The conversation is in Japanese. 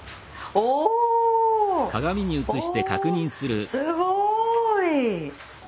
おすごい！